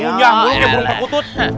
punyah mulutnya burung perkutut